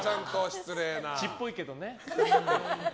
「地」っぽいけどね。